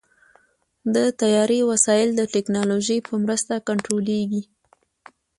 د طیارې وسایل د ټیکنالوژۍ په مرسته کنټرولېږي.